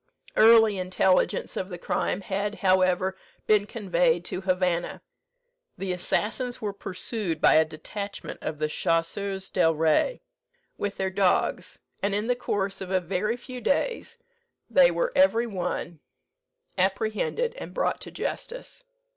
Early intelligence of the crime had, however, been conveyed to Havanna. The assassins were pursued by a detachment of the Chasseurs del Rey, with their dogs; and in the course of a very few days they were every one apprehended and brought to justice.